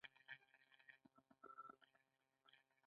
ننګرهار د زراعتي تولیداتو لپاره یوه مهمه سیمه ده.